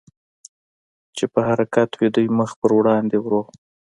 چې په حرکت وې، دوی مخ په وړاندې ورو.